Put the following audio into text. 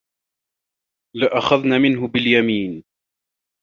لَأَخَذنا مِنهُ بِاليَمينِ